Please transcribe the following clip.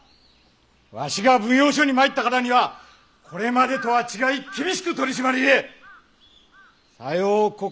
わしが奉行所に参ったからにはこれまでとは違い厳しく取り締まるゆえさよう心得よ。